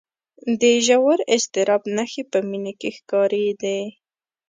د ژور اضطراب نښې په مينې کې ښکارېدې